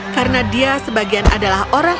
karena dia sebagian adalah orang